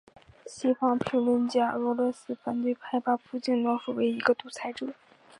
西方评论家和俄罗斯反对派把普京被描述为一个独裁者。